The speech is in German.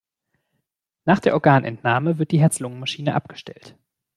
Nach der Organentnahme wird die Herz-Lungen-Maschine abgestellt.